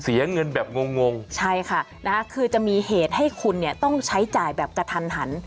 เสียเงินแบบงงใช่ค่ะคือจะมีเหตุให้คุณต้องใช้จ่ายแบบกระทัน